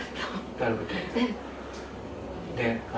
だるくて？ね？